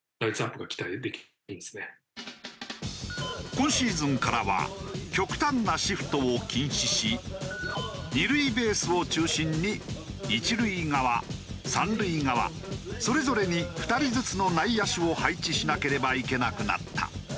今シーズンからは極端なシフトを禁止し２塁ベースを中心に１塁側３塁側それぞれに２人ずつの内野手を配置しなければいけなくなった。